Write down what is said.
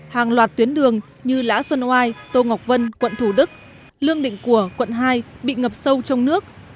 hàng loạt tuyến đường như lã xuân oai tô ngọc vân quận thủ đức lương định của quận hai bị ngập sâu trong nước